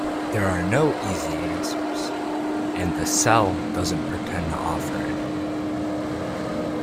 There are no easy answers, and "The Cell" doesn't pretend to offer any.